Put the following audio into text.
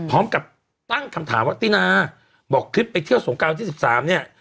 พร้อมกับตั้งคำถามว่าตินาบอกคลิปไปเที่ยวสงการวันที่๑๓เนี่ย